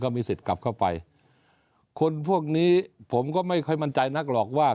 มีสิทธิ์กลับเข้าไปคนพวกนี้ผมก็ไม่ค่อยมั่นใจนักหรอกว่า